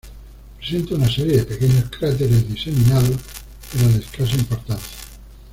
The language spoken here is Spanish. Presenta una serie de pequeños cráteres diseminados, pero de escasa importancia.